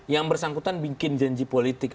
yang bersangkutan bikin janji politik